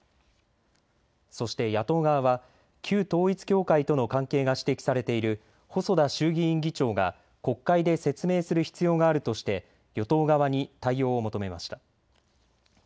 そして野党側は旧統一教会との関係が指摘されている細田衆議院議長が国会で説明する必要があるとして与党側に対応を求めました。